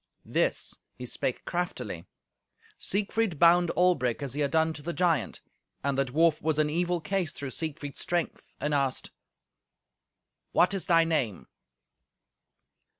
This he spake craftily. Siegfried bound Albric as he had done to the giant, and the dwarf was in evil case through Siegfried's strength, and asked, "What is thy name?"